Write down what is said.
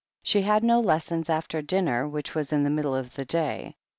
She had no lessons after dinner, which was in the middle of the day.